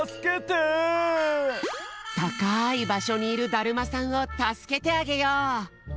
たかいばしょにいるだるまさんをたすけてあげよう！